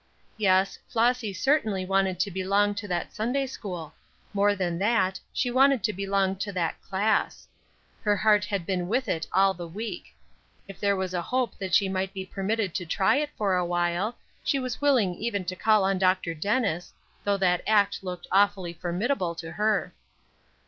Yes, Flossy certainly wanted to belong to that Sunday school; more than that, she wanted to belong to that class. Her heart had been with it all the week. If there was a hope that she might be permitted to try it for awhile, she was willing even to call on Dr. Dennis, though that act looked awfully formidable to her.